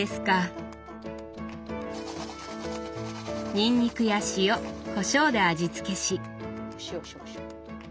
にんにくや塩・こしょうで味付けし。